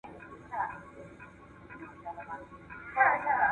نن ورځ تر ټولو مهمه سياسي مسله څه ده؟